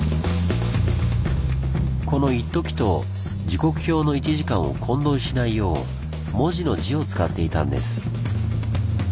この「一時」と時刻表の「一時間」を混同しないよう文字の「字」を使っていたんです。